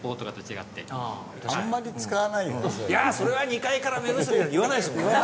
「いやそれは二階から目薬」なんて言わないですもんね。